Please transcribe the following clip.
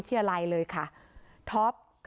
ที่แม่เล่าให้ฟังนะก็คือเริ่มตั้งแต่สมัยเรียนมหาวิทยาลัยเลยค่ะ